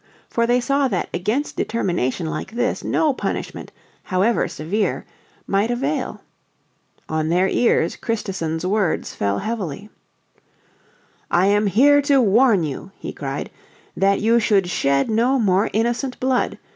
For they saw that against determination like this no punishment, however severe, might avail. On their ears Christison's words fell heavily. "I am come here to warn you, he cried, "that you should shed no more innocent blood.